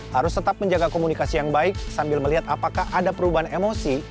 harus tetap menjaga komunikasi yang baik sambil melihat apakah ada perubahan emosi